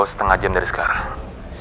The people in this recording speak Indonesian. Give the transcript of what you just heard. setengah jam dari sekarang